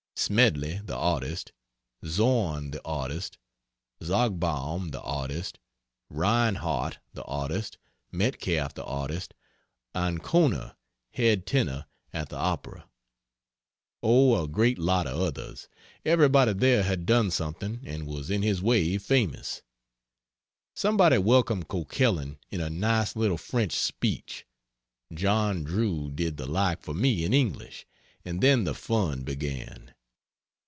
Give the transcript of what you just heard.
Smedley the artist; Zorn the artist; Zogbaum the artist; Reinhart the artist; Metcalf the artist; Ancona, head tenor at the Opera; Oh, a great lot of others. Everybody there had done something and was in his way famous. Somebody welcomed Coquelin in a nice little French speech; John Drew did the like for me in English, and then the fun began.